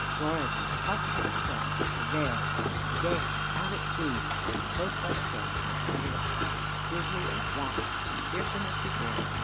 Dorigen caught her husband's arm, for there, there, out at sea, and close by the cliffs, were the rocks, grisly and black and fearsome as before.